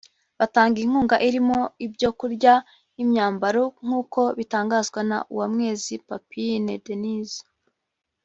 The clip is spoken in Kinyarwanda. Batanga inkunga irimo ibyo kurya n’imyambaro nk’uko bitangazwa na Uwamwezi Papine Denyse